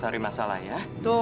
cari masalah ya